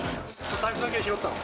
財布だけ拾ったの？